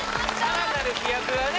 さらなる飛躍がね